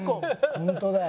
本当だよ。